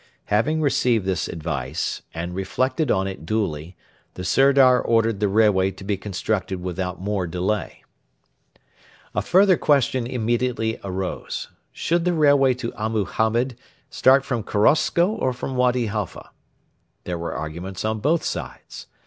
Having received this advice, and reflected on it duly, the Sirdar ordered the railway to be constructed without more delay. A further question immediately arose: Should the railway to Abu Hamed start from Korosko or from Wady Halfa? There were arguments on both sides.